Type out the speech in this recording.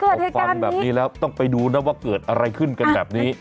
พอฟังแบบนี้แล้วต้องไปดูนะว่าเกิดอะไรขึ้นกันแบบนี้